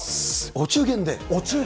お中元で。